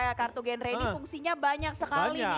karena kartu gendre ini fungsinya banyak sekali nih ki ya